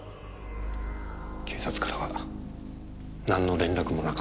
警察からは何の連絡もなかった。